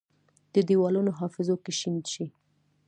د دیوالونو حافظو کې شین شي،